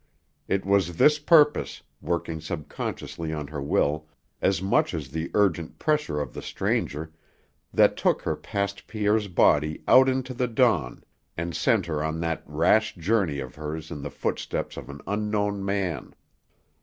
It was this purpose, working subconsciously on her will, as much as the urgent pressure of the stranger, that took her past Pierre's body out into the dawn and sent her on that rash journey of hers in the footsteps of an unknown man.